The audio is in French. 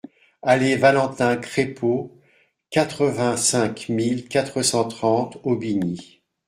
Allée Valentin Craipeau, quatre-vingt-cinq mille quatre cent trente Aubigny